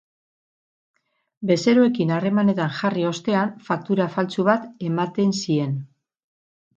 Bezeroekin harremanetan jarri ostean, faktura faltsu bat ematen zien.